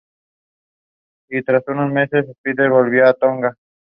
Y tras unos meses en Sídney, volvió a Tonga.